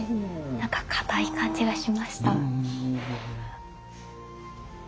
何か固い感じがしました。